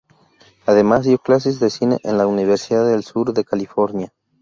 Además, dio clases de cine en la Universidad del Sur de California.